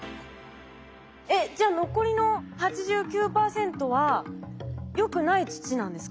えっじゃあ残りの８９％はよくない土なんですか？